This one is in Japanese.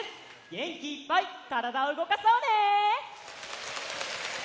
げんきいっぱいからだをうごかそうね！